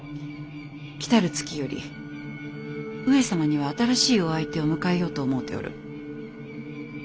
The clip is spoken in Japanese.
来る月より上様には新しいお相手を迎えようと思うておる。